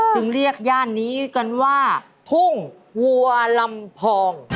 จึงเรียกย่านนี้กันว่าทุ่งวัวลำพอง